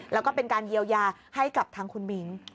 แล้วก็เป็นการเยียวยาให้กับทางคุณมิ้ง